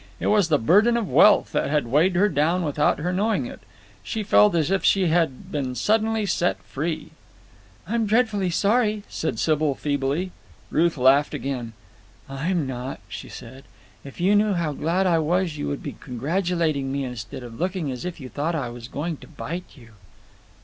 It was the burden of wealth that had weighed her down without her knowing it. She felt as if she had been suddenly set free. "I'm dreadfully sorry," said Sybil feebly. Ruth laughed again. "I'm not," she said. "If you knew how glad I was you would be congratulating me instead of looking as if you thought I was going to bite you."